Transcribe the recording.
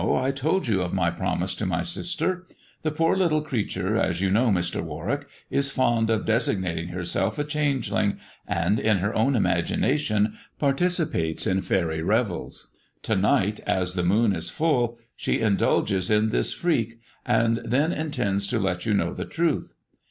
I told you of my promise to my sister. The poor little creature, as you know, Mr. Warwick, is fond of designating herself a changeling, and in her own imagin ation participates in faery revels. To night, as the moon is full, she indulges in this freak, and then intends to let you know the truth.